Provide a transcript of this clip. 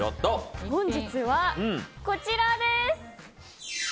本日は、こちらです。